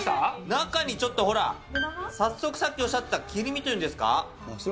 中にちょっとほら、早速さっきおっしゃった切り身というんですか。